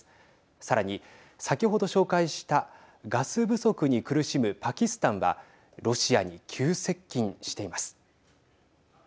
さらに先ほど紹介したガス不足に苦しむパキスタンはロシアに急接近しています。